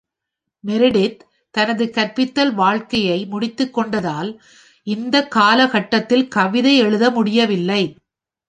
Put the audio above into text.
Meredith தனது கற்பித்தல் வாழ்க்கையை முடித்துக்கொண்டதால் இந்த காலகட்டத்தில் கவிதை எழுத முடியவில்லை.